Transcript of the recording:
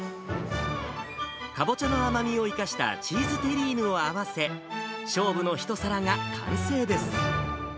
かぼちゃの甘みを生かしたチーズテリーヌを合わせ、勝負の一皿が完成です。